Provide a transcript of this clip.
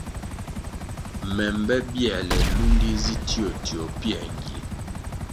Me mbe bierle lúndi zi tio tio pięr ngie.